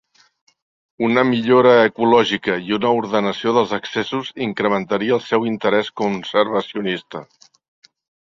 Una millora ecològica i una ordenació dels accessos incrementaria el seu interès conservacionista.